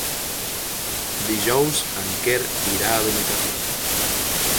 Dijous en Quer irà a Benicarló.